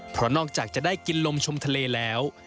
เพราะนอกจากจะได้กินลมชมทะเลแล้ว